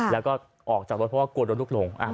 แล้วก็ออกจากรถเพราะว่ากลัวโดนลูกหลง